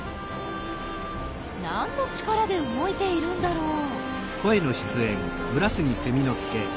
何の力で動いているんだろう？